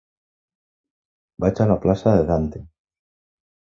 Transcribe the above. Vaig a la plaça de Dante.